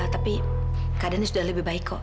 tapi keadaannya sudah lebih baik kok